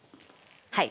はい。